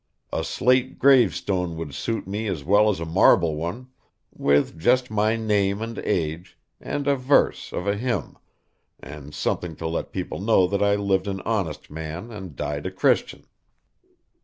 A slate gravestone would suit me as well as a marble one with just my name and age, and a verse of a hymn, and something to let people know that I lived an honest man and died a Christian.